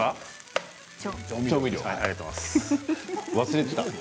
忘れてた。